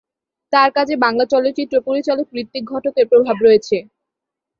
তার কাজে বাংলা চলচ্চিত্র পরিচালক ঋত্বিক ঘটকের প্রভাব রয়েছে।